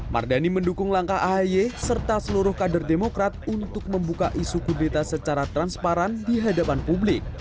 mardani mendukung langkah ahy serta seluruh kader demokrat untuk membuka isu kudeta secara transparan di hadapan publik